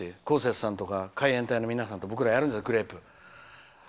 こうせつさんとか海援隊の皆さんと僕ら、やるんですよグレープ。